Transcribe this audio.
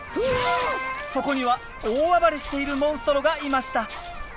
そこには大暴れしているモンストロがいました。